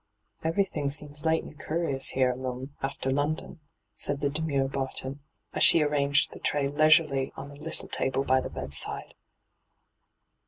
'Everything seems late and cur'ous here, m'm, after London,' said the demure Barton, as she arranged the tray leisurely on a little table by the bedside.